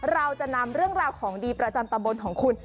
เราจะนำเรื่องราวของดีประจำตะบนของคุณ